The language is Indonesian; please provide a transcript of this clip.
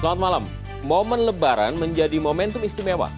selamat malam momen lebaran menjadi momentum istimewa